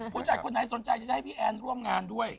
ผู้จัดคนไหนสนใจจะให้พี่แอนร่วมงานด้วย